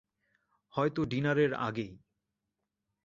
হয়তো ডিনারের আগেই।